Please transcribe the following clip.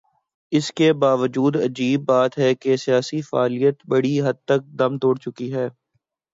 اس کے باوجود عجیب بات یہ ہے کہ سیاسی فعالیت بڑی حد تک دم توڑ چکی ہے۔